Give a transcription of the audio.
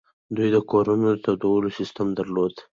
دوی د کورونو د تودولو سیستم درلود